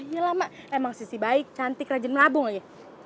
yalah mak emang sisi baik cantik rajin melabung ya